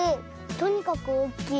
とにかくおおきい。